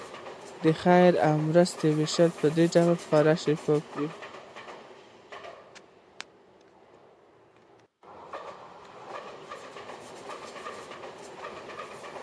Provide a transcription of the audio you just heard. د خیریه مرستو ویش په دې ډول خورا شفاف وي.